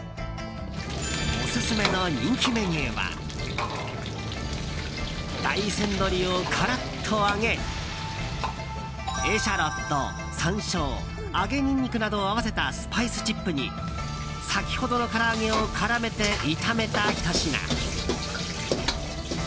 オススメの人気メニューは大山鶏をカラッと揚げエシャロット、山椒揚げニンニクなどを合わせたスパイスチップに先ほどの唐揚げを絡めて炒めた、ひと品。